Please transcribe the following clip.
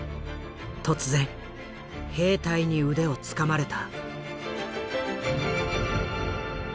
突然兵隊に腕をつかまれた。